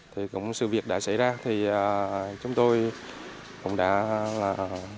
thì cũng sự việc đã xảy ra thì chúng tôi cũng đã là